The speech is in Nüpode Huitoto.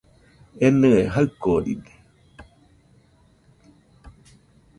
Enɨe jaɨkoride